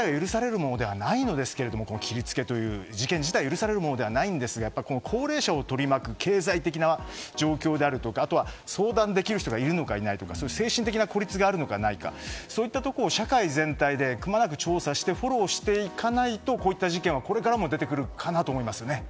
切り付けという事件自体は許されるものではないんですけど高齢者を取り巻く経済的な状況だとかあとは相談できる人がいるのかいないのか精神的孤立があるのかないかそういったことを社会全体でくまなく調査してフォローしていかないとこうした事件はこれからも出てくると思いますね。